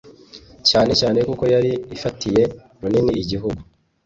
cyane cyane kuko yari ifatiye runini igihugu